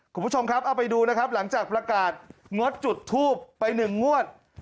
คุณผู้ชมครับเอาไปดูนะครับหลังจากประกาศงดจุดทูบไป๑งวด